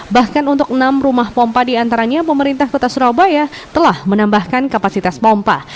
bahkan untuk enam rumah pompa diantaranya pemerintah kota surabaya telah menambahkan kapasitas pompa